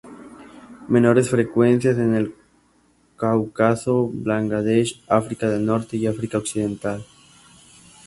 Menores frecuencias en el Cáucaso, Bangladesh, África del Norte y África Occidental.